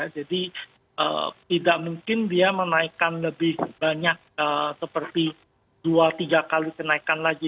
jadi tidak mungkin dia menaikkan lebih banyak seperti dua tiga kali kenaikan lagi